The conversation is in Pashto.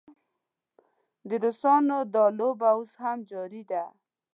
د روسانو دا لوبه اوس هم جاري ده.